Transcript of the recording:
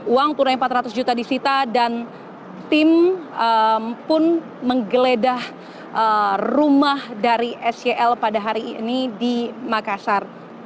uang tunai empat ratus juta disita dan tim pun menggeledah rumah dari sel pada hari ini di makassar